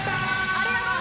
ありがとう！